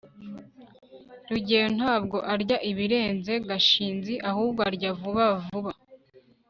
rugeyo ntabwo arya ibirenze gashinzi, ahubwo arya vuba vuba